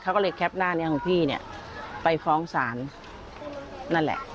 เขาก็เลยแคปหน้าของพี่ไปฟ้องศาลนั่นแหละ